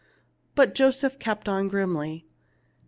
But Joseph kept on grimly.